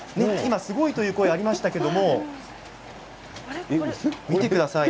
すごい！という声もありましたが見てください。